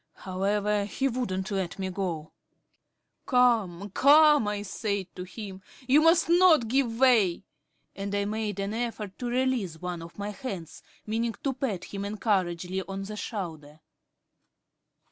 However, he wouldn't let me go. "Come, come," I said to him, "you must not give way," and I made an effort to release one of my hands meaning to pat him encouragingly on the shoulder.